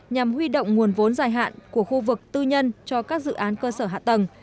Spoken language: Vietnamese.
nhằm huy động nguồn vốn dài hạn của khu vực tư nhân cho các dự án cơ sở hạ tầng